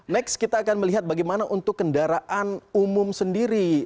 next kita akan melihat bagaimana untuk kendaraan umum sendiri